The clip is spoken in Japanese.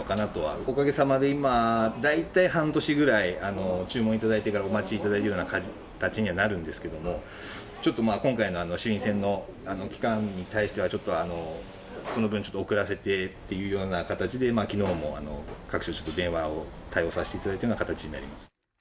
おかげさまで、今、大体半年ぐらい注文いただいてからお待ちいただいてるような形にはなるんですけれども、ちょっとまあ、今回の衆院選の期間に対しては、ちょっとその分、ちょっと遅らせてっていうような形で、きのうも各所、ちょっと電話を、対応させていただいての形になります。